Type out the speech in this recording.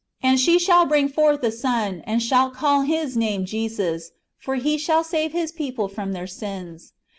And she shall bring forth a son, and thou shalt call His name Jesus ; for He shall save His people from their sins.